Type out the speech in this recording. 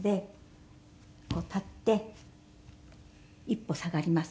こう立って１歩下がります。